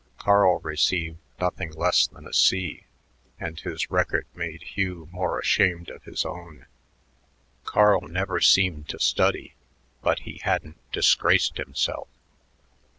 Carl received nothing less than a C, and his record made Hugh more ashamed of his own. Carl never seemed to study, but he hadn't disgraced himself.